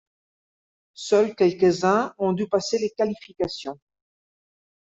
Seuls quelques-uns ont dû passer les qualifications.